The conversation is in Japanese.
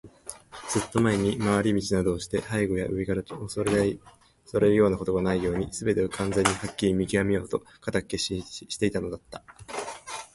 ずっと前に、廻り道などして背後や上から襲われるようなことがないように、すべてを完全にはっきり見きわめようと固く決心していたのだった。